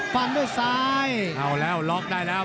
ฟันด้วยซ้ายเอาแล้วล็อกได้แล้ว